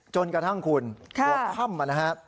จนกระทั่งคุณหัวข้ำมานะฮะ